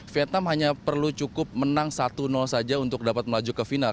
vietnam hanya perlu cukup menang satu saja untuk dapat melaju ke final